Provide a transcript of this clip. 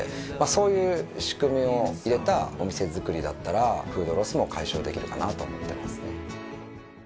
そういう仕組みを入れたお店づくりだったらフードロスも解消できるかなと思ってますね。